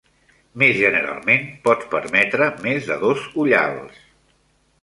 Més generalment, pots permetre més de dos ullals.